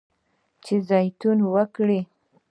چې زیتون وکري.